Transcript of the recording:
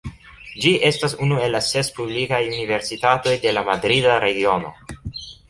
Ĝi estas unu el la ses publikaj universitatoj de la Madrida Regiono.